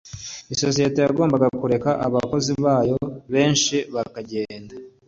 Isosiyete yagombaga kureka abakozi bayo benshi bakagenda.